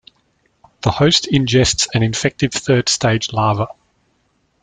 The host ingests an infective third stage larva.